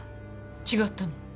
違ったの？